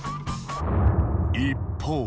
一方。